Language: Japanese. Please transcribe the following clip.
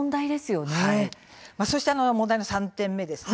そして問題の３点目です。